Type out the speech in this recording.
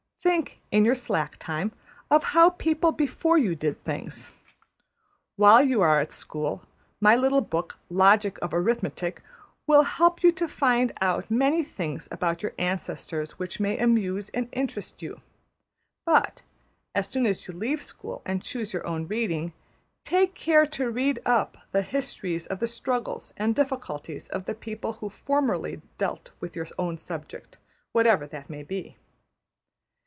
Think, in your slack time, of how people before you did things. While you are at school my little book, \emph{Logic of Arithmetic}, will help you to find out many things about your ancestors which may amuse and interest you; but, as soon as you leave school and choose your own reading, take care to read up the histories of the struggles and difficulties of the people who formerly dealt with your own subject (whatever that may be).